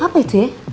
apa itu ya